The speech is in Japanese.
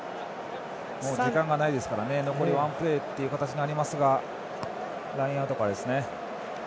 もう時間がないですから残りワンプレーという形になりますがラインアウトからですね。